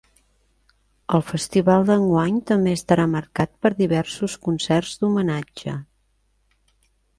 El festival d’enguany també estarà marcat per diversos concerts d’homenatge.